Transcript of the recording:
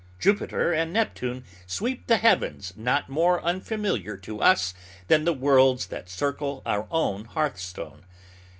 Jupiter and Neptune sweep the heavens not more unfamiliar to us than the worlds that circle our own hearthstone.